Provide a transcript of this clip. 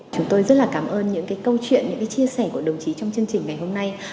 chúng tôi rất là cảm ơn những câu chuyện những cái chia sẻ của đồng chí trong chương trình ngày hôm nay